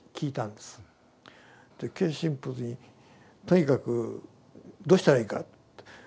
Ｋ神父にとにかくどうしたらいいかって。